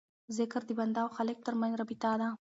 ذکر د بنده او خالق ترمنځ رابطه ده.